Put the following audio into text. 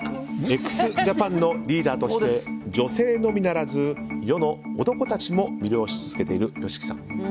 ＸＪＡＰＡＮのリーダーとして女性のみならず世の男たちも魅了し続けているＹＯＳＨＩＫＩさん。